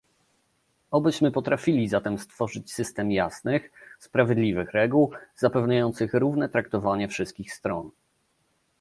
Obyśmy potrafili zatem stworzyć system jasnych, sprawiedliwych reguł, zapewniających równe traktowanie wszystkich stron